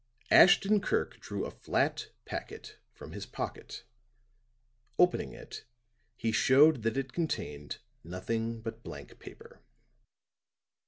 Ashton Kirk drew a flat packet from his pocket. Opening it he showed that it contained nothing but blank paper.